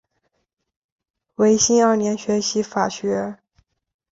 维新二年学习法学。